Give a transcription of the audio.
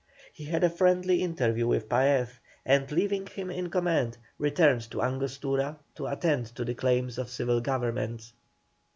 He had a friendly interview with Paez, and leaving him in command, returned to Angostura to attend to the claims of civil government.